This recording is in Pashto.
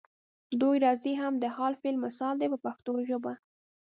دوی راځي هم د حال فعل مثال دی په پښتو ژبه.